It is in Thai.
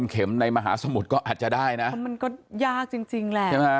ก็ยากจริงแหละ